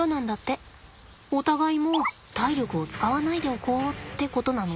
お互いもう体力を使わないでおこうってことなの？